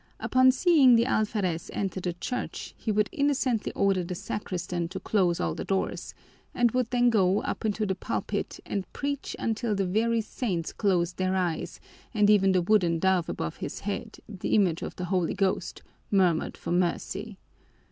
Upon seeing the alferez enter the church he would innocently order the sacristan to close all the doors, and would then go up into the pulpit and preach until the very saints closed their eyes and even the wooden dove above his head, the image of the Holy Ghost, murmured for mercy.